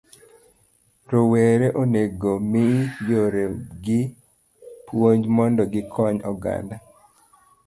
D. Rowere onego mi yore gi puonj mondo gikony oganda.